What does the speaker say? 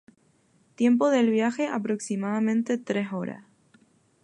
Tiempo del viaje aproximadamente tres horas.